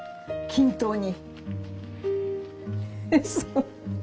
均等に。